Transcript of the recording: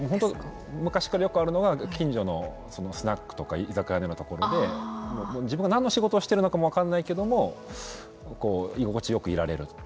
昔からよくあるのが近所のスナックとか居酒屋のようなところで自分が何の仕事をしているのかも分からないけれども居心地よくいられる。